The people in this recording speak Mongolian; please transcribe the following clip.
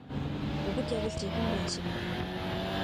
Бүгд яг л жинхэнэ дайн шиг.